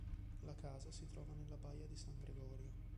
La casa si trova nella baia di San Gregorio.